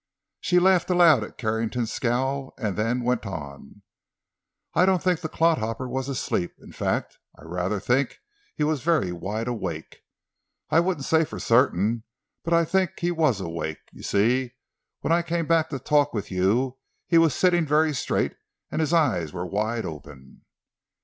She laughed aloud at Carrington's scowl, and then went on: "I don't think the clodhopper was asleep. In fact, I rather think he was very wide awake. I wouldn't say for certain, but I think he was awake. You see, when I came back to talk with you he was sitting very straight, and his eyes were wide open.